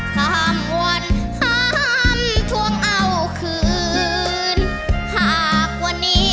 ข้ามวันห้ามทวงเอาคืน